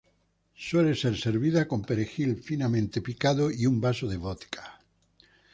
Suele ser servida con perejil finamente picado y un vaso de vodka.